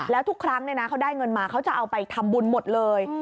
แล้วทุกครั้งเขาได้เงินมาเขาจะเอาไปทำบุญหมดเลย